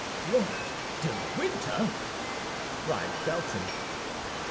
'" "Lord de Winter!" cried Felton.